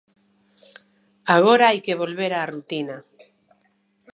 Agora hai que volver á rutina.